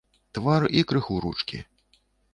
Твар і крыху ручкі.